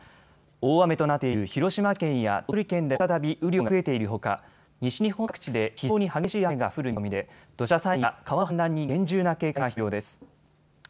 大雨となっている広島県や鳥取県でも再び雨量が増えているほか西日本の各地で非常に激しい雨が降る見込みで土砂災害や川の氾濫に厳重な警戒が必要です。